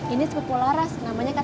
ini sepupu laras namanya kak tika